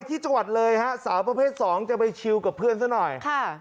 ที่จังหวัดเลยฮะ